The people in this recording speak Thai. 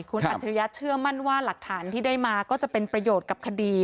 คุณอัจฉริยะเชื่อมั่นว่าหลักฐานที่ได้มาก็จะเป็นประโยชน์กับคดี